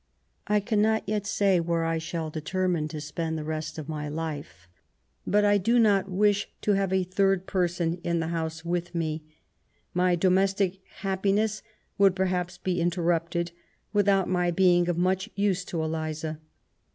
I cannot yet say where I shall determine to spend the rest of my life ; but I do not wish to have a third person in the house with me ; my domes tic happiness would perhaps be interrupted, without my being of much use to Eliza.